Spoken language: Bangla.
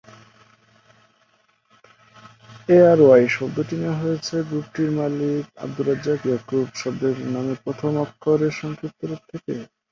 এআরওয়াই শব্দটি নেওয়া হয়েছে গ্রুপটি মালিক "আব্দুর রাজ্জাক ইয়াকুব" শব্দের নামের প্রথম অক্ষর এর সংক্ষিপ্ত রুপ থেকে।